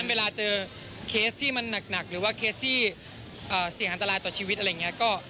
เวลาเจอเคสที่มันหนักหรือว่าเคสที่เสี่ยงอันตรายต่อชีวิตอะไรอย่างนี้